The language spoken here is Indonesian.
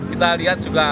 kita lihat juga